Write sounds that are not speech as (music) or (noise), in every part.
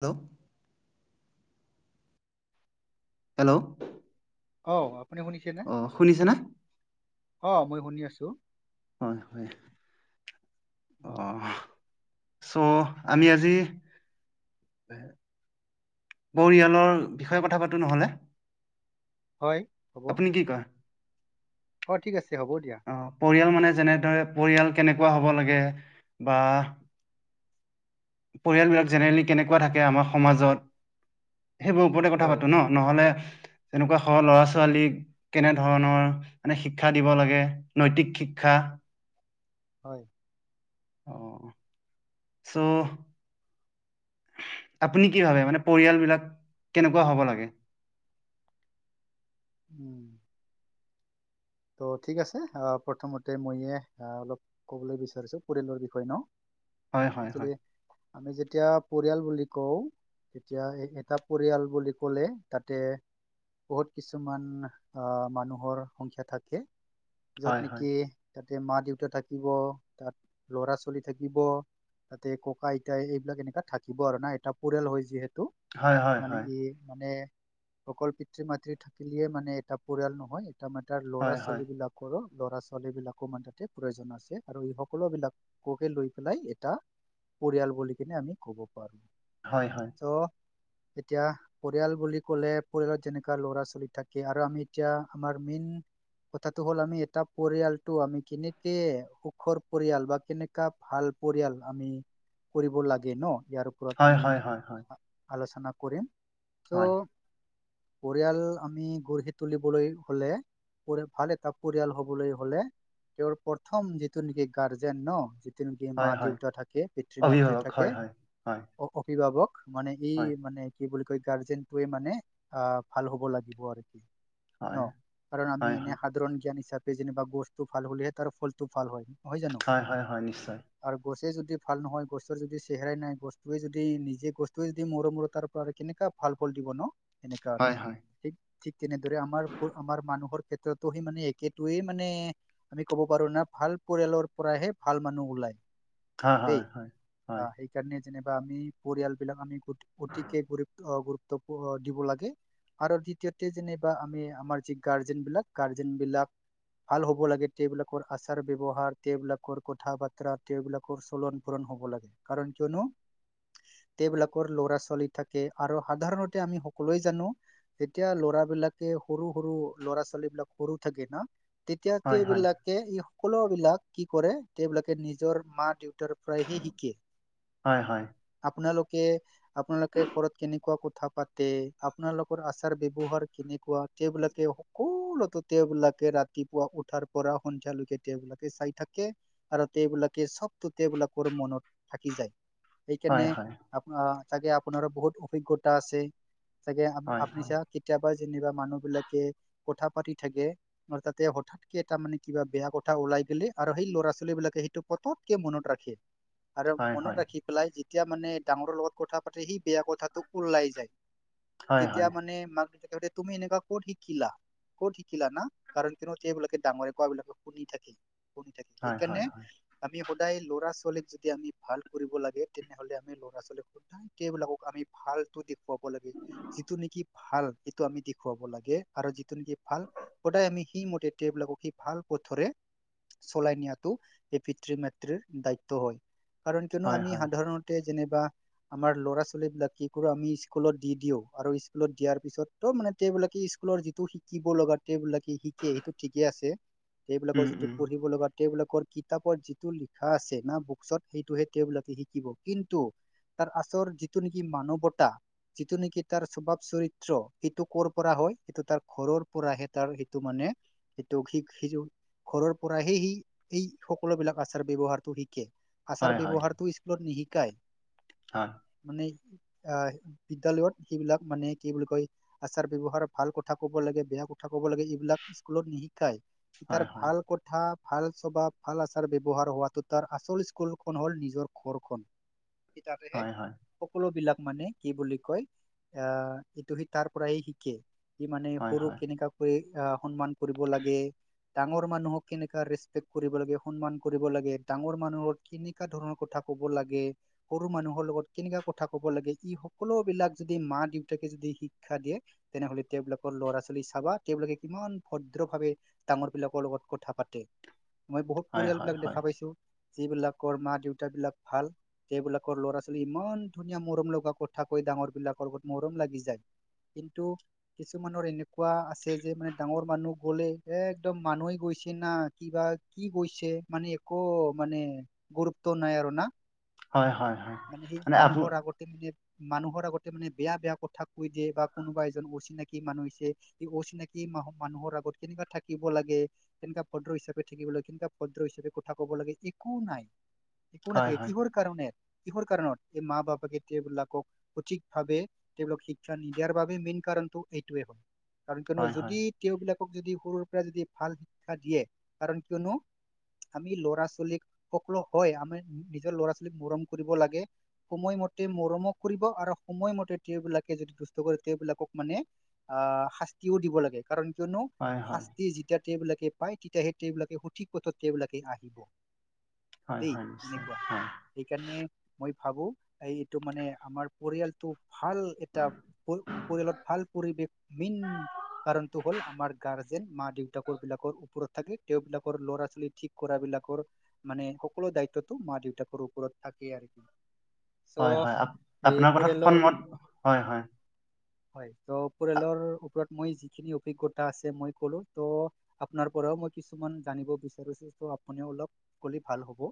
Hello, hello, অ, আপুনি শুনিছেনে অ শুনিছেনে অ, মই শুনি আছো। হয়-হয় অঁ অহ, চ' আমি আজি বয়ালৰ বিষয়ে কথা পাতো নহ'লে। হয় হবৌ আপুনি কি কয় অ, ঠিক আছে হ'ব দিয়া। অ পৰিয়াল মানে যেনে ধৰে পৰিয়াল কেনেকুৱা হ'ব লাগে বা পৰিয়াল বিলাক জেনেৰেলি কেনেকুৱা থাকে আমাৰ সমাজত সেইবোৰৰ ওপৰতে কথা হয় পাতোঁ ন নহ'লে তেনেকুৱা স ল'ৰা ছোৱালীক কেনে ধৰণৰ মানে শিক্ষা দিব লাগে নৈতিক শিক শিক্ষা হয়। অহ' চো আপুনি কি ভাবে মানে পৰিয়াল বিলাক কেনেকুৱা হ'ব লাগে। (inaudible) উম। তোৰ ঠিক আছে, প্ৰথমতে মইয়ে অলপ ক'বলৈ বিচাৰিছোঁ। পৰিয়ালৰ বিষয়ে ন হয় হয় হয় একচোৱেলি আমি যেতিয়া পৰিয়াল বুলি কওঁ। তেতিয়া এটা পৰিয়াল বুলি ক'লে তাতে বহুত কিছুমান আহ মানুহৰ সংখ্যা থাকে। য'ত হয় নেকি হয় তাত তাতে মা দেউতা থাকিব, তাত ল'ৰা ছোৱালী থাকিব। তাতে, ককা আইতা এইবিলাক এনেকা থাকিব আৰু না এটা পৰিয়াল হয় যিহেতু টো হয় হয় মানে হয় এই মানে অকল পিতৃ মাতৃ থাকিলিয়ে মানে এটা পৰিয়াল নহয়, এটা আমাতাৰ ল'ৰা কৰোঁ ল'ৰা ছোৱালী বিলাকো মান তাতে প্ৰয়োজন আছে আৰু এই সকলো বিলাককে লৈ পেলাই এটা পৰিয়াল বুলি কিনে আমি ক'ব পাৰোঁ। হয়, হয়। এতিয়া পৰিয়াল বুলি ক'লে পৰিয়ালত যেনেকা ল'ৰা ছোৱালী থাকে আৰু আমি এতিয়া আমাৰ মেইন কথাটো হ'ল আমি এটা পৰিয়ালটো আমি কেনেকে সুখৰ পৰিয়াল বা কেনেকা ভাল ভাল পৰিয়াল আমি কৰিব লাগে ন। ইয়াৰ ওপৰত আমি আলোচনা কৰিম চো পৰিয়াল আমি গঢ়ি তুলিবলৈ হ'লে পৰিয়াল ভালে এটা পৰিয়াল হ'বলৈ হ'লে। তেওঁৰ প্ৰথম যিটো নেকি গাৰ্জেন ন। তেনেকে মা দেউতা থাকে পিতৃ মাতৃ হয় থাকে হয়। হয় অ, অভিভাৱক। মানে এই মানে কি বুলি কয় গাৰ্জেনটোৱে মানে আহ ভাল হ'ব লাগিব আৰু। কি হয়। ন কাৰণ আমি এনে সাধাৰণ জ্ঞান হিচাপে যেনিবা গছতটো ভাল হ'লেহে তাৰ ফলতটো ভাল হয়। হয় জানো আৰু গছ যদি ভাল নহয় গছৰ যদি চেহৰা নাই গছটোৱে যদি নিজে গছটোৱে যদি মৰ মৰ তাৰ পৰা কেনেকুৱা ভাল ভাল ফল দিব ন এনেকা আৰু ঠিক - ঠিক তেনেদৰে আমাৰ-আমাৰ মানুহৰ ক্ষেত্ৰতো সি মানে একটয়ে মানে আমি ক'ব পাৰো না ভাল পৰিয়ালৰ পৰাহে ভাল মানুহ ওলায়। হয় - হয়- হয়। সেইকাৰণে যেনিবা আমি পৰিয়ালবিলাক আমি অতিকে গুৰুত - গুৰুব দিব লাগে আৰু দ্বিতীয়তে যেনিবা আমি আমাৰ যি গাৰ্জেন বিলাক - গাৰ্জেন বিলাক ভাল হ'ব লাগে তেওঁবিলাকৰ আচাৰ ব্যৱহাৰ বিলাকৰ কথা বাতৰা তেওঁবিলাকৰ চলন পূৰণ হ'ব লাগে কাৰণ কিয়নো তেবিলাকৰ লৰা ছোৱালী থাকে আৰু সাধাৰণতে আমি সকলোৱে জানো তেতিয়া লৰা বিলাকে সৰু - সৰু। ল'ৰা ছোৱালী বিলাক সৰু থাকে ন তেতিয়াতেবলাকে ই সকলো বিলাক কি কৰে তেওঁবলাকে নিজৰ মা দেউতা তৰ প্ৰায় হে শিকে আপোনালোক আপোনালোকে ঘৰত কেনেকুৱা কথা পাতে আপোনালোকৰ আচাৰ ব্যৱহাৰ কেনেকুৱা সেইবিলাক সকলোতো তেওঁবিলাকে ৰাতিপুৱা উঠাৰ পৰা সন্ধিয়ালৈকে তেওঁবিলাকে চাই থাকে। আৰু সবিলাকে চবটোবলাকৰ মনত থাকি যায়। সেইকাৰণে আপ, তাকে আপোনাৰো বহুত অভিজ্ঞতা আছে। চাগে আ-আপুনি চা কেতিয়াবা যেনিবা মানুহ বিলাক কথা পাতি থাকে আৰু তাতে হঠাৎকে এটা মানে কিবা বেয়া কথা ওলাই গলে আৰু সেই ল'ৰা ল'ৰা ছালী বিলাকে সেইটো পততকে মনত ৰাখে। আৰু মনত ৰাখি পেলাই যেতিয়া মানে ডাঙৰৰ লগত কথা পাতে সেই বেয়া কথাটোক ওললাই যায়। তেতিয়া মানে ম তুমি এনেকা ক'ত শিকিলা ক'ত শিকিলা না কাৰণ কিয়ো স এইবিলাকে ডাঙৰে কোৱাবলাকে শুনি থাকে ম থাক এইকাৰণে আমি সদায় ল'ৰা ছোৱালীক যদি আমি ভাল কৰিব লাগে তেনেহ'লে আমি ল'ৰা ছোৱালীক সদায় কেইবিলাকক আমি ভাল। ভালটো দেখুৱাব লাগে যিটো নেকি ভাল সেইটো আমি দেখুৱাব লাগে। আৰু যিটো নেকি ভাল গটাই আমি সি মতে টেব লাক সি ভাল পথৰে চলাই নিয়াতটো এই পিতৃ মাতৃৰ দায়িত্ব হয় কাৰণ কিয়নো আমি সাধাৰণতে। যেননেবা। আমাৰ ল'ৰা ছোৱালী বিলাক কি কৰো আমি স্কুলত দি দিও আৰু স্কুলত দিয়াৰ পিছতো মানে তেবিলাকেুল। স্কোলৰ যিটো শিকিব লগাবিলাকে শিকে সেইটো ঠিকে আছে সবলাকৰ যিটো পঢ়িব লগা তেওবিলাকৰ কিতাপৰ যিটো লিখা আছে না বুকচত সেইটোহে তেওঁবিলাকে শিকিব কিন্তু তাৰ আচৰ যিটো নেকি মানৱতা। যিটো নেকি তাৰ স্বভাৱ চৰিত্ৰ সেইটো কৰ পৰা হয় সেইটো তাৰ ঘৰৰ পৰাহে তাৰ সেইটো মানে সটোি সি ঘৰৰ পৰাহে সি এই সকলোবলাক আচাৰ ব্যৱহাৰতো শিকে। আচাৰ ব্যৱহাৰতটো স্কুলত নিশিকাই মানে আহ বিদ্যালয়ত সেইবিলাক মানে কি বুলি কয় আচাৰ ব্যৱহাৰ ভাল কথা ক'ব লাগে বেয়া কথা ক'ব লাগে এইবিলাক স্কুলত নিশিকাই তাৰ ভাল কথা। ভাল স্বভাৱ ভাল আচাৰ ব্যৱহাৰ হোৱাটো তাৰ আচল স্কুলখন হ'ল নিজৰ ঘৰখন। তে ততেহে সকলো বিলাক মানে কি বুলি কয় আহ এইটো সি তাৰ পৰাই শিকে। কি মানে সৰুক কেনেককা কৰি আহ সন্মান কৰিব লাগে। ডাঙৰ মানুহক কেনেকাা ৰেচপেক্ট কৰিব লাগে সন্মান কৰিব লাগে ডাঙৰ মানুহৰ কেনেককাা ধৰণৰ কথা কব লাগে সৰু মানুহৰ লগত কেনেককা কথা কব লাগে ই সকলো বিলাক যদি মা দেউতাকে শিক্ষা দিয়ে তেনেহ'লে। তেওবিলাকৰ ল'ৰা ছোৱালী চাবা তেওবলাকে কিমান ভদ্ৰ ভাৱে ডাঙৰ বিলাকৰ লগত কথা পাতে। মই বহুত পৰিয়াল বিিলাক দেখা পাইছো। যিবিলাকৰ মা দেউত বিলাক ভাল সেইবিলাকৰ ল'ৰা ছোৱালী ইমান ধুনীয়া মৰম লগা কথা কৈ। ডাঙৰ বিলাকৰ লগত মৰম লাগি যায় কিন্তু কিছুমানৰ এনেকুৱা আছে যে মানে ডাঙৰ মানুহ গ'লে এ একদম মানুহেই গৈছে না কিবা। কি গৈছে মানে একো মানে গুৰুত্ব নাই আৰু না। হয় - হয় - হয় সেই মানে আপ মানুহৰ আগতে মানে মানুহৰ আগতে মানে বেয়া বেয়া কথা কৈ দিয়ে বা কোনোবা এজন উচিত। চিনাকি মানুহ হৈছে এই অচিনাকি মানুহৰ আগত কেনেকুৱা থাকিব লাগে তেনেকুৱা ভদ্ৰ হিচাপে থ থাকিবা পদ্ৰ হিচাপে কথা কব লাগে একো নাই একো হয় নাথাকে হয়। কিহৰ কাৰণে। কিহৰ কাৰণত এই মা বাপাকে তেওএইলাকক সঠিক ভাৱ তেওবলাক শিক্ষা নিদিয়াৰ বাবে মেইন কাৰণটো এইটোৱে হ'ল কাৰণ কিয়নো হয় হয়। যদি তেওবলাক যদি সৰুৰ পৰা যদি ভাল শিক্ষা দিয়ে কাৰণ কিয়নো। আমি লৰা ছোৱালীক সকলো হয় আমাৰ নিজৰ লৰা ছোৱালীক মৰম কৰিব লাগে। সময়মতে মৰমক কৰিব আৰু সময়মতে তেওবিলাকে যদি দুষ্ট কৰে তেওবিলাকক মানে আহ শাস্তিও দিব লাগে কাৰণ কিয়নো হয় হয়। শাস্তি যেতিয়া। তেওবিলাকে পায় তেতিয়াহে তেওবিলাকে সঠিক পথত তেওবিলাকে আহিব। হয় দেই হয় নিশ্চয়। এনেকুৱা হয় সেইকাৰণে মই ভাবো এই এইটো মানে আমাৰ পৰিয়ালটো ভাল এটা পৰিয়ালত ভাল। পৰিৱেশ মন কাৰণটো হ'ল আমাৰ গাৰ্জেন মা দেউতাকৰ বিলাকৰ ওপৰত থাকে তেওবিলাকৰ ল'ৰা ছোৱালী ঠিক কৰা বিলাক তাক মানে সকলো দায়িত্বতো মা দেউতাকৰ ওপৰত থাকে আৰুি। হয়- হয় আপোনাৰ কথাত ফমত হয় - হয়। হয় ত' আ পৰিয়ালৰ ওপৰত মই যিখিনি অভিজ্ঞতা আছে, মই ক'লো, ত' আপোনাৰ পৰাও মই কিছু মান জানিব বিচাৰিছোঁ, ত' আপুনিও অলপ ক'লে ভাল হ'ব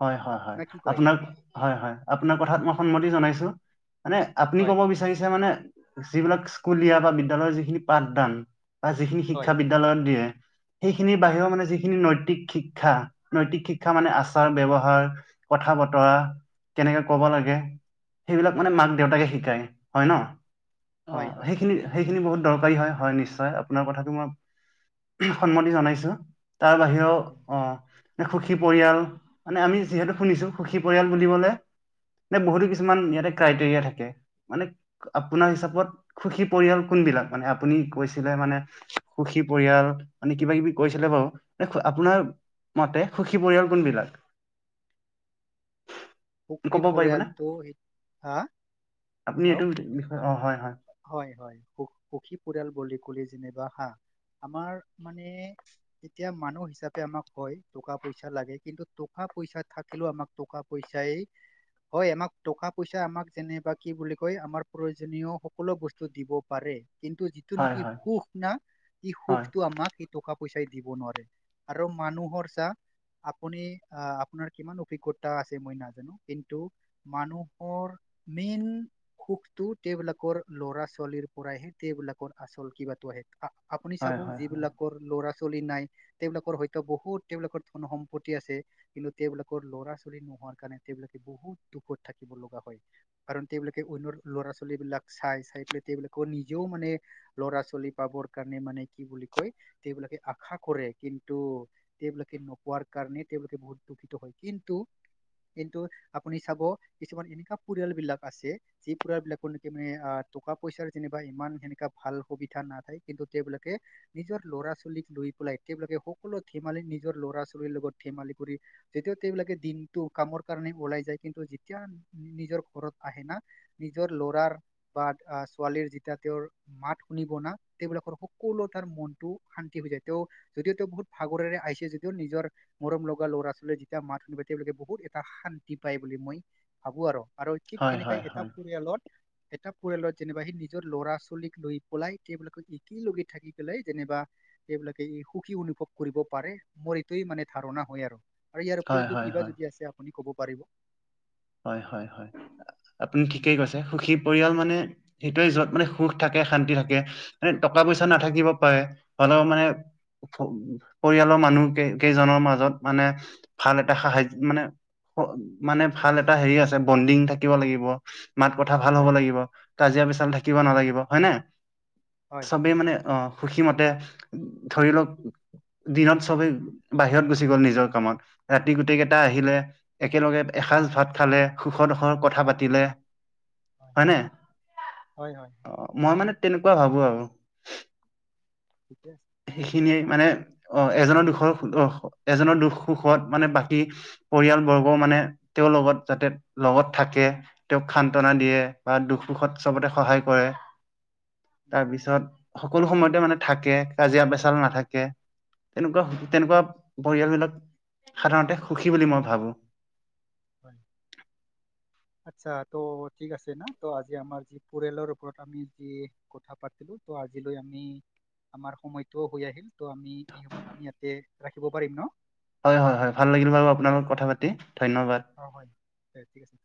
হয়, হয়, হয়, না কি কয় আপোনাক হয়, হয়, আপোনাৰ কথাত মই সন্মতি জনাইছোঁ। মানে আপুনি হয় ক'ব বিচাৰিছে, মানে যিবিলাক স্কুলীয়া বা বিদ্যালয়ৰ যিখিনি পাঠদান বা যিখিনি হয় শিক্ষা বিদ্যালয়ত দিয়ে। সেইখিনিৰ হয় বাহিৰেও মানে যিখিনি নৈতিক শিক্ষা, নৈতিক শিক্ষা মানে হয় আছ আছাৰ, ব্যৱহাৰ কথা, বতৰা কেনেকে ক'ব লাগে? সেইবিলাক হয় মানে মাক, দেউতাকে শিকায় হয়, ন? হয় অ', হয় হেইখিনি, হেই সেইখিনি বহুত দৰকাৰী হয়, হয়, নিশ্চয় আপোনাৰ কথাটো মই সন্মতি জনাইছোঁ। তাৰ বাহিৰেও অ', সুখী পৰিয়াল। মানে আমি যিহেতু শুনিছোঁ, সুখী পৰিয়াল বুলিবলে নে, বহুতো কিছুমান ইয়াতে ক্ৰাইটেৰিয়া থাকে, মানে আপোনাৰ হিচাপত সুখী পৰিয়াল কোন বিলাক মানে আপুনি কৈছিলে মানে সুখী পৰিয়াল, মানে কিবা কিবি কৈছিলে বাৰু (unintelligible) আপোনাৰ মতে সুখী পৰিয়াল কোনবিলাক? সুখী ক'ব পাৰিবনে পৰিয়ালটো (unintelligible) আ আপুনি এইটো চাওঁক বিষয়ে অ' হয় হয় ম-হয়, হয়, সু-সুখী পৰিয়াল বুলি ক'লেই যেনিবা হা, আমাৰ মানে তেতিয়া মানুহ হিচাপে আমাক কয়, টকা, পইচা লাগে কিন্তু টকা, পইচা থাকিলেও আমাক টকা পই চাই হয়, আমাক টকা, পইচা আমাক যেনেবা কি বুলি কয়, আমাৰ প্ৰয়োজনীয় সকলো বস্তু দিব পাৰে। কিন্তু যিটো হয় নেকি হয় সুখ না, সি হয় সুখটো আমাক সেই টকা পইচাই দিব নোৱাৰে আৰু মানুহৰ চা আপুনি আপোনাৰ কিমান অভিজ্ঞতা আছ মই নাজানো কিন্তু মানুহৰ মেইন সুখটো তেবিলাকৰ ল'ৰা-ছোৱালীৰ পৰাহে তেবিলাকৰ আচল কিবাতো আহে। আ আপুনি চাব হয় হয় যিবিলাকৰ ল'ৰা চলি নাই তেওঁলোকৰ হয়তো বহুত তেওঁলোকৰ ধন সম্পত্তি আছে কিন্তু তেওঁলোকৰ ল'ৰা-ছোৱালী নো কাৰণ তেওঁলোকে বহুত দুখত থাকিব লগা হয়। কাৰণ তেওঁলোকে অন্যৰ ল'ৰা-ছোৱালীবিলাক চাই চাই পেলাই তেওঁলোকৰ নিজেও মানে ল'ৰা-ছোৱালী পাবৰ কাৰণে মানে কি বুলি কয় তেওঁলোকে আ শা কৰে। কিন্তু তেওঁলোকে নোপোৱাৰ কাৰণে তেওঁলোকে বহুত দুখিত হয় কিন্তু (inaudible) কিন্তু আপুনি চাব কিছুমান এনেকা পৰিয়ালবিলাক আছে যি পৰিয়ালবিলাকৰ নেকি মানে আ টকা পইচাৰ যেনিবা ইমান সেনেকা ভাল সুবিধা নাথায় কিন্তু তেওঁলোকে নিজৰ ল'ৰা-ছোৱালীক লৈ পেলাই তেওঁলোকে সকলো ধেমালি নিজৰ ল'ৰা-ছোৱালী লগত ধেমালি কৰি যেতিয়াও তেওঁলোকে দিন টো কামৰ কাৰণে ওলাই যায় কিন্তু যেতিয়া নিজৰ ঘৰত আহে না নিজৰ লৰাৰ বাট আ ছোৱালীৰ যেতিয়া তেওঁৰ মাত শুনিব না তেওঁলোকৰ সকলো তাৰ মনটো শান্তি হৈ যা তে তেওঁ যদিও তেওঁ বহুত ভাগৰেৰে আহিছে যদিও নিজৰ মৰম লগা ল'ৰা-ছোৱালী যেতিয়া মাত শুনিব (unintelligible) তেওঁলোকে বহুত এটা শান্তি পায় বুলি মই ভাবো আৰ আৰু ঠিক হয় তেনেকে হয় এটা হয় পৰিয়ালৰ এটা পৰিয়ালত যেনিবা সি নিজৰ ল'ৰা-ছোৱালীক লৈ পলাই তেওঁলোকক ইকি লগে থাকি পেলাই যেনেবা এইবিলাকে ই সুখী অনুভৱ কৰিব পাৰে মোৰ এইটোৱেই মানে ধাৰণা হয় আৰু। আৰু ইয়াৰ উপৰি হয় হয় হয় হয় যদি কিবা হয় যদি আছে আপুনি ক'ব পাৰিব। হয় হয় হয় আপুনি উম, ঠিকেই কৈছে সুখী পৰিয়াল মানে সেইটোৱে য'ত মানে সুখ থাকে শান্তি থাকে মানে টকা পইচা নাথাকিব পাৰে হ'লেও মানে ওফ পৰিয়াল মানুহ কে কেইজনৰ মাজত মানে ভাল এটা সাহায মানে মানে ভাল এটা হেৰি আছে, বণ্ডিং থাকিব লাগিব। মাত কথা ভাল হ'ব হয় লাগিব, কাজিয়া পেচাল থাকিব নালাগিব। হয়নে? হয় চবেই মানে অঁ সুখী মতে, ধৰি লওঁক দিনত চবেই বাহিৰত গুচি গ'ল নিজৰ কামত। ৰাতি গোটেই কেইটা আহিলে একেলগে এসাঁজ ভাত খালে। সুখ দুখৰ কথা হয় পাতিলে হয় হয়নে? হয় হয় অঁ মই মানে তেনেকুৱা ভাবো আৰু। ঠিকে আছে। সেইখিনিয়ে মানে অ', এজনৰ দুখৰ, এজনৰ দুখ সুখত মানে বাকী পৰিয়াল বৰ্গও মানে তেওঁৰ লগত যাতে লগত থাকে তেওঁক সান্তনা দিয়ে বা দুখ সুখত চবতে সহায় কৰে উম, তাৰপিছত সকলো সময়তে মানে থাকে, কাজিয়া পেচাল নাথাকে। তেনেকুৱা-তেনেকুৱা পৰিয়ালবিলাক সাধাৰণতে সুখী বুলি মই ভাবোঁ। হয়। (inaudible) আচ্ছা ত' ঠিক আছে না ত' আজি আমাৰ যি পৰিয়ালৰ ওপৰত আমি যি কথা পাতিলো ত আজিলৈ আমি আমাৰ সময়ত হৈ আহিল ত' আমি এই সময়ত আমি ইয়াতে ৰাখিব পাৰিম ন? হয় হয় হয়, ভাল লাগিল বাৰু আপোনাৰ হ'ব লগত দে কথা পাতি, ধন্যবাদ। অ', হয় ঠিক আছে।